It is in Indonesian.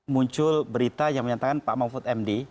muncul berita yang menyatakan pak mahfud md